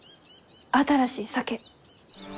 新しい酒。